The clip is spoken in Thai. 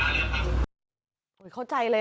ไม่ค่อยปลอดภัยไม่ค่อยแกร่งแรงเท่าไหร่ครับ